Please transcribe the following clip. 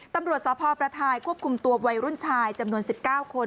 ตำรวจสพประทายควบคุมตัววัยรุ่นชายจำนวน๑๙คน